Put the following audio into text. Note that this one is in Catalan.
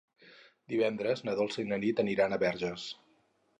Divendres na Dolça i na Nit aniran a Verges.